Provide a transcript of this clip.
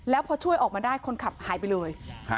แล้วพอช่วยออกมาได้คนขับหายไปเลย